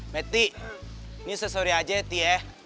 meti ini seseori aja ya ti